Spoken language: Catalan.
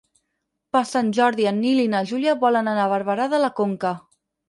Per Sant Jordi en Nil i na Júlia volen anar a Barberà de la Conca.